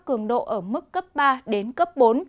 có mức cấp ba đến cấp bốn